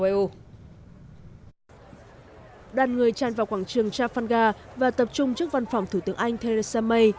âu đàn người tràn vào quảng trường trafalgar và tập trung trước văn phòng thủ tướng anh theresa may